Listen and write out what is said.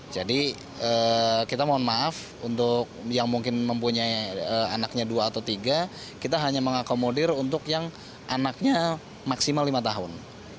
jadi kita mohon maaf untuk yang mungkin mempunyai anaknya dua atau tiga kita hanya mengakomodir untuk yang anaknya maksimal lima tahun